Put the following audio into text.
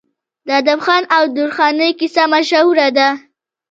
د ادم خان او درخانۍ کیسه مشهوره ده.